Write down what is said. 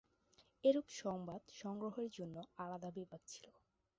এরূপ সংবাদ- সংগ্রহের জন্য আলাদা বিভাগ ছিল।